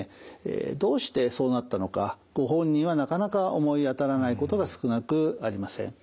どうしてそうなったのかご本人はなかなか思い当たらないことが少なくありません。